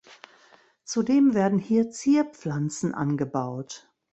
Zudem werden hier Zierpflanzen angebaut.